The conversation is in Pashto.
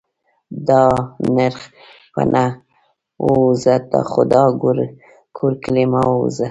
دا نرخ په نه. ووځه خو دا کور کلي مه ووځه